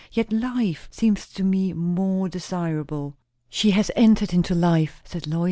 Yet life seems to me more desirable." "She has entered into life!" said Lois.